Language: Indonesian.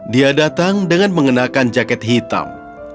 dia datang dengan mengenakan jaket hitam